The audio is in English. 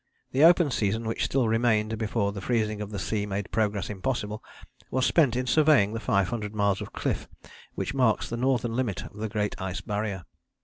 The open season which still remained before the freezing of the sea made progress impossible was spent in surveying the 500 miles of cliff which marks the northern limit of the Great Ice Barrier.